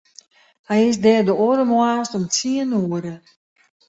Hy is der de oare moarns om tsien oere.